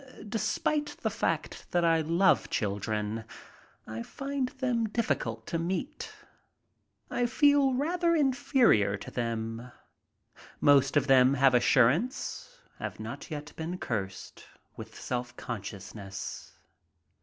Despite the fact that I love children, I find them difficult to meet. I feel rather inferior to them. Most of them have assurance, have not yet been cursed with self consciousness.